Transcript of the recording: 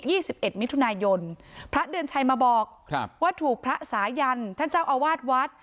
สิบเอ็ดมิถุนายนพระเดือนชัยมาบอกครับว่าถูกพระสายันท่านเจ้าอาวาสวัด